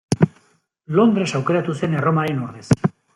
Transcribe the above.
Londres aukeratu zen Erromaren ordez.